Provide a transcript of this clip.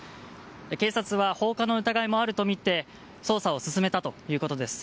警察は放火の疑いもあるとみて捜査を進めたということです。